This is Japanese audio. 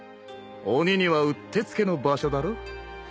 鬼にはうってつけの場所だろ。